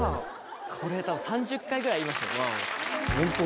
これ、３０回ぐらい言いましたよ、わお。